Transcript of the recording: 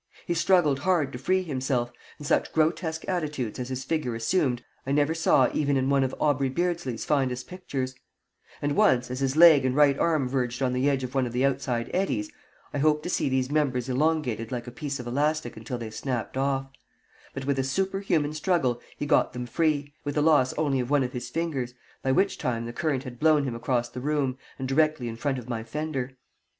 He struggled hard to free himself, and such grotesque attitudes as his figure assumed I never saw even in one of Aubrey Beardsley's finest pictures; and once, as his leg and right arm verged on the edge of one of the outside eddies, I hoped to see these members elongated like a piece of elastic until they snapped off; but, with a superhuman struggle, he got them free, with the loss only of one of his fingers, by which time the current had blown him across the room and directly in front of my fender.